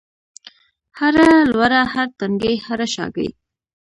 هره لوړه، هر تنګی هره شاګۍ